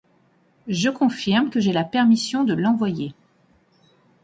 Je confirme que j’ai la permission de l’envoyer.